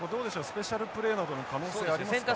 スペシャルプレーなどの可能性ありますか？